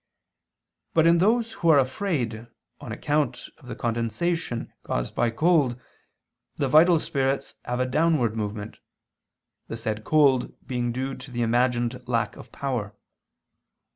But in those who are afraid, on account of the condensation caused by cold, the vital spirits have a downward movement; the said cold being due to the imagined lack of power.